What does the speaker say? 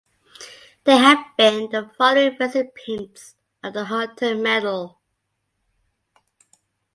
There have been the following recipients of the Hutton Medal.